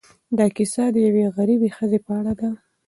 دا کيسه د یوې غریبې ښځې په اړه ده.